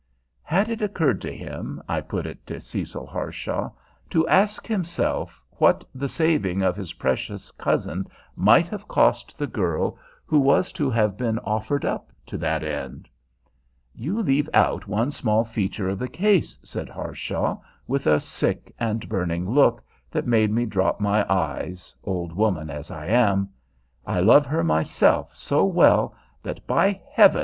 Had it occurred to him, I put it to Cecil Harshaw, to ask himself what the saving of his precious cousin might have cost the girl who was to have been offered up to that end? "You leave out one small feature of the case," said Harshaw, with a sick and burning look that made me drop my eyes, old woman as I am. "I love her myself so well that, by Heaven!